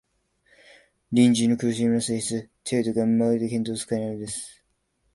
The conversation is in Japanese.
隣人の苦しみの性質、程度が、まるで見当つかないのです